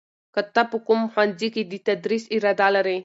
ته په کوم ښوونځي کې د تدریس اراده لرې؟